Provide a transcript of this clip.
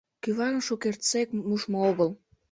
Кӱварым шукертсек мушмо огыл.